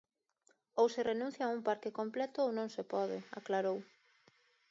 "Ou se renuncia a un parque completo, ou non se pode", aclarou.